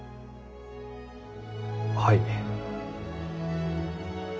はい。